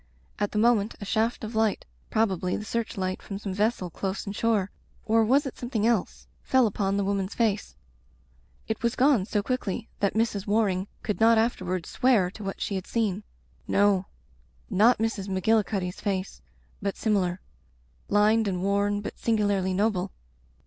At the moment a shaft of light, probably the search light from some vessel close inshore — or was it something else ?— ^fell upon the woman's face. It was gone so quickly that Mrs. War ing could not afterward swear to what she had seen. No. Not Mrs. Magillicuddy's face, but similar. Lined and worn but singularly noble.